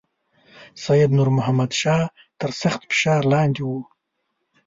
سید نور محمد شاه تر سخت فشار لاندې وو.